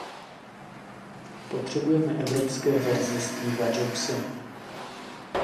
Potřebujeme evropské verze Steva Jobse.